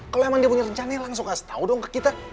kalau emang dia punya rencana langsung kasih tau dong ke kita